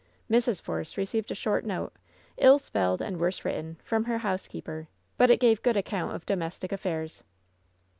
Mrs. Force received a short note, ill spelled and worse written, from her housekeeper, but it gave good account of domestic affairs.